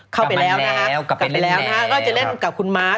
เข้าไปแล้วนะครับกลับไปเล่นแนวก็จะเล่นกับคุณม้า